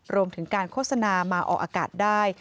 รวมถึงการโฆษณามาออกอากาศได้